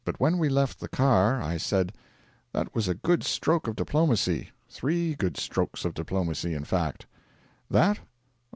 When we left the car, I said: 'That was a good stroke of diplomacy three good strokes of diplomacy, in fact.' 'That?